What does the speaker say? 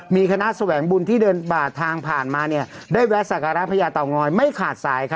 มีคณะแสวงบุญที่เดินบาดทางผ่านมาได้แวะสักการะพญาเตางอยไม่ขาดสาย